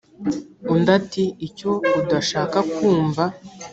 Undi ati"icyo udashaka kumva"